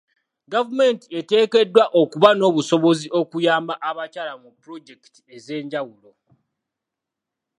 Gavumenti eteekeddwa okuba n'obusobozi okuyamba abakyala mu pulojekiti ez'enjawulo.